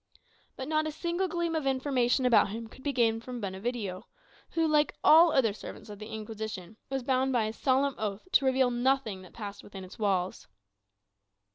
But not a single gleam of information about him could be gained from Benevidio, who, like all other servants of the Inquisition, was bound by a solemn oath to reveal nothing that passed within its walls.